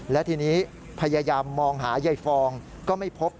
และทีนี้พยายามมองหายายฟองก็ไม่พบ